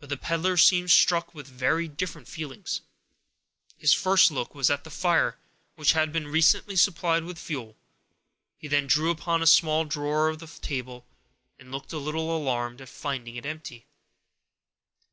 But the peddler seemed struck with very different feelings. His first look was at the fire, which had been recently supplied with fuel; he then drew open a small drawer of the table, and looked a little alarmed at finding it empty.